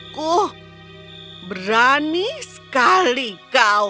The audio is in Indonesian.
ya ampun bukankah itu tempat lilin dari meja makan